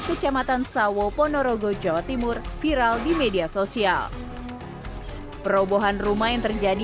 kecamatan sawo ponorogo jawa timur viral di media sosial perobohan rumah yang terjadi